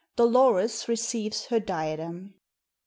DOLORES RECEIVES HER DIADEM.